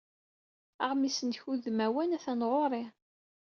Aɣmis-nnek udmawan atan ɣur-i.